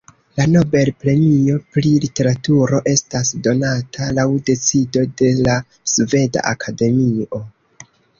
La Nobel-premio pri literaturo estas donata laŭ decido de la Sveda Akademio.